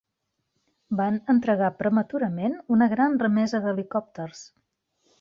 Van entregar prematurament una gran remesa d'helicòpters.